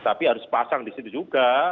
tapi harus pasang di situ juga